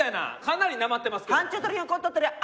かなりなまってますけど。